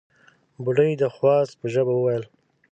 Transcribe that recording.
بوډۍ د خواست په ژبه وويل: